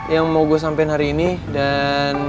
yang mau gua sampein hari ini dan